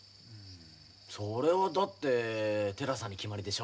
それはだって寺さんに決まりでしょ。